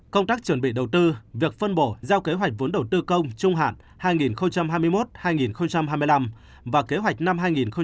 công tác chuẩn bị đầu tư việc phân bổ giao kế hoạch vốn đầu tư công trung hạn hai nghìn hai mươi một hai nghìn hai mươi năm và kế hoạch năm hai nghìn hai mươi